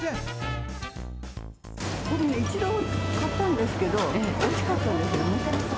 これに、一度買ったんですけど、おいしかったんですよね。